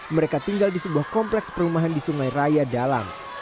mereka tinggal di sebuah kompleks perumahan di sungai raya dalam